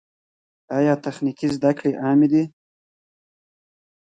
آیا تخنیکي زده کړې عامې دي؟